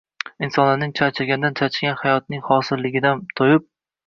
insonlarning “charchashdan charchagan”, hayotning hosilsizligidan to‘yib